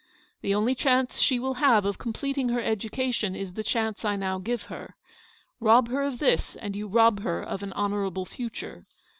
" The only chance she will have of completing her education is the chance I now give her. Rob her of this and you rob her of an honourable future.